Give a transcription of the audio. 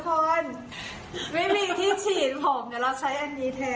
ปอกหมอยนี่คือปอกหมอยค่ะทุกคนไม่มีที่ฉีดผมเนี้ยเราใช้อันนี้แทน